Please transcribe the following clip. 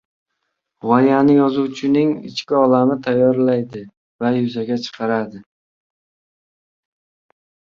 Gʻoyani yozuvchining ichki olami tayyorlaydi va yuzaga chiqaradi.